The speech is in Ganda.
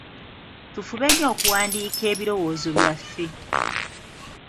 Tufube nnyo okuwandiika ebirowoozo byaffe.